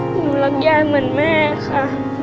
หนูรักยายเหมือนแม่ค่ะ